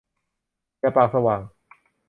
อย่าปากสว่าง !